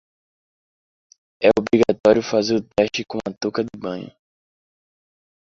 É obrigatório fazer o teste com uma touca de banho.